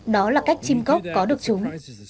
đó là cách chim cốc có được chúng